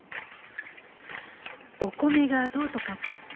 お米がどうとかって。